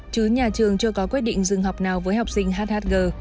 chưa có quyết định dừng học nào với học sinh hhg